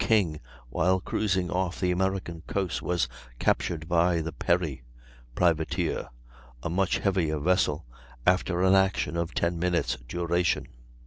King, while cruising off the American coast was captured by the Perry, privateer, a much heavier vessel, after an action of 10 minutes' duration.